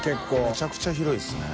めちゃくちゃ広いですね。